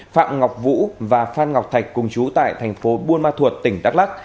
phạm ngọc vũ và phan ngọc thạch cùng chú tại thành phố buôn ma thuột tỉnh đắk lắc